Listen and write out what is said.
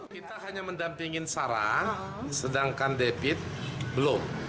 kita hanya mendampingin sarah sedangkan david belum